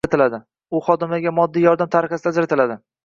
u xodimlarga moddiy yordam tariqasida ajratiladi.